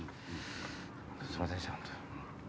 すんませんでした本当。